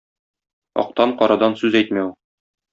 Актан-карадан сүз әйтмәү.